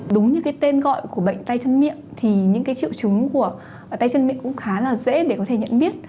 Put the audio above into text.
đúng như cái tên gọi của bệnh tay chân miệng thì những cái triệu chứng của tay chân miệng cũng khá là dễ để có thể nhận biết